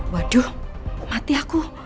waduh mati aku